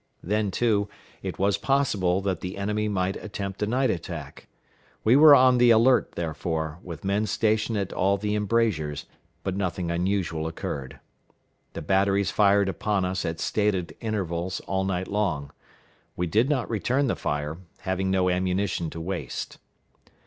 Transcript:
Then, too, it was possible that the enemy might attempt a night attack. We were on the alert, therefore, with men stationed at all the embrasures; but nothing unusual occurred. The batteries fired upon us at stated intervals all night long. We did not return the fire, having no ammunition to waste.